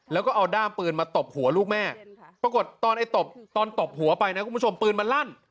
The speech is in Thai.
แล้วก็เอาด้ามปืนมาตบหัวลูกแม่ปรากฏตอนไอ้ตบตอนตบหัวไปนะคุณผู้ชมปืนมันลั่น